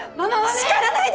叱らないで。